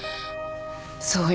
そうよ。